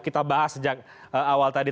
kita bahas sejak awal tadi